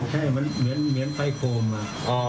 ใช่มันเหมือนไฟโคมอะ